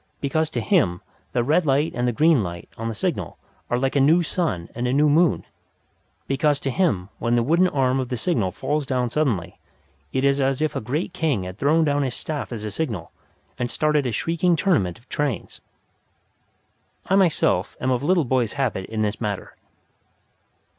Because to him the red light and the green light on the signal are like a new sun and a new moon. Because to him when the wooden arm of the signal falls down suddenly, it is as if a great king had thrown down his staff as a signal and started a shrieking tournament of trains. I myself am of little boys' habit in this matter.